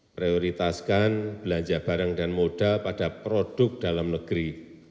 prioritaskan belanja barang dan modal pada produk dalam negeri